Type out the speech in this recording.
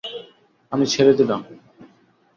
আমি ছেড়ে দিলাম।